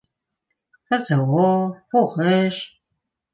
ФЗО, һуғыш.